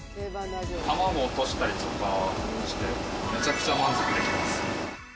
卵を落としたりとかしてめちゃくちゃ満足できます。